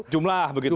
jumlah begitu ya